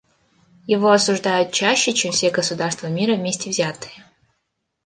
Его осуждают чаще, чем все государства мира вместе взятые.